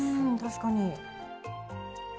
確かに。